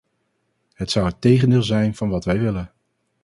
Het zou het tegendeel zijn van wat wij willen.